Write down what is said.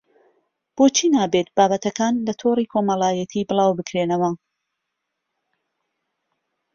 بۆچی نابێت بابەتەکان لە تۆڕی کۆمەڵایەتی بڵاوبکرێنەوە